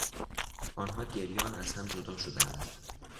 آنها گریان از هم جدا شدند.